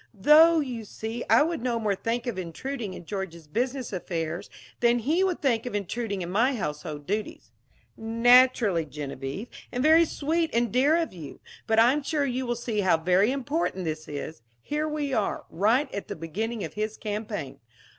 Though, you see, I would no more think of intruding in George's business affairs than he would think of intruding in my household duties." "Naturally, Genevieve. And very sweet and dear of you! But I'm sure you will see how very important this is. Here we are, right at the beginning of his campaign.